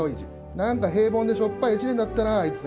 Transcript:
なんか平凡でしょっぱい一年だったぁ、あいつ。